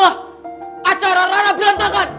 acara rara berantakan